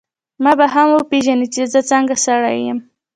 ما به هم وپېژنې چي زه څنګه سړی یم.